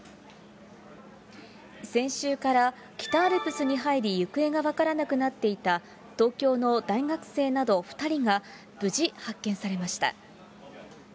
先週から北アルプスに入り行方が分からなくなっていた、東京の大学生など２人が、無事発見されました。